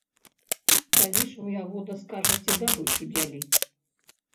Калі ж, ваявода, скажаце дабычу дзяліць?